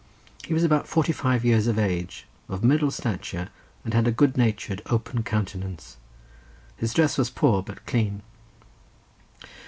He was about forty five years of age, of middle stature, and had a good natured open countenance. His dress was poor, but clean.